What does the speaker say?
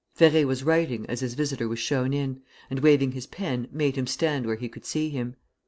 Ferré was writing as his visitor was shown in, and, waving his pen, made him stand where he could see him.